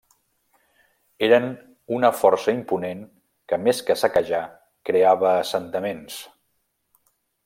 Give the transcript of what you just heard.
Eren una força imponent que més que saquejar, creava assentaments.